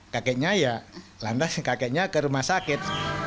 kakeknya ya lantas kakeknya ke rumah sakit